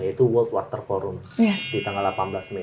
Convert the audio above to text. yaitu world water forum di tanggal delapan belas mei